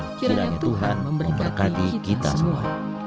kiranya tuhan memberkati kita semua